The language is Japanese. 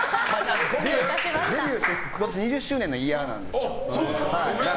デビューして今年２０周年のイヤーなんですよ。